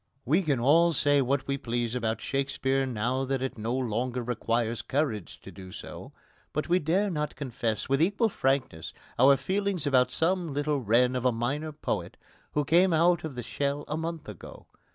We can all say what we please about Shakespeare now that it no longer requires courage to do so, but we dare not confess with equal frankness our feelings about some little wren of a minor poet who came out of the shell a month ago.